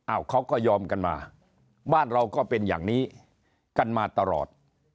เขาก็ยอมกันมาบ้านเราก็เป็นอย่างนี้กันมาตลอด